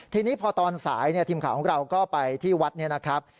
ทีนี้พอตอนสายทีมข่าวของเราก็ไปที่วัดนี้นะครับ